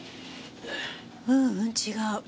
ううん違う。